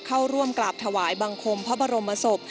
เข้าร่วมกราบถวายบังคมพระบรมศพ